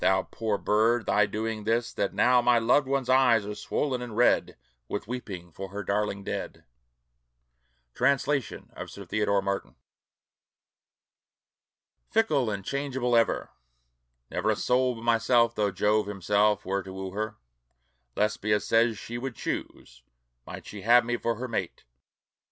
Thou Poor bird, thy doing 'tis, that now My loved one's eyes are swollen and red, With weeping for her darling dead. Translation of Sir Theodore Martin. "FICKLE AND CHANGEABLE EVER" Never a soul but myself, though Jove himself were to woo her, Lesbia says she would choose, might she have me for her mate.